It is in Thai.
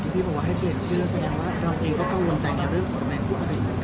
พี่บอกว่าให้เปลี่ยนเสื้อแสดงว่าเราเองก็ก็วนใจในเรื่องของแบรนด์กู